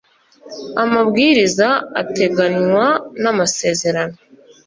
amabwiriza ateganywa n amasezerano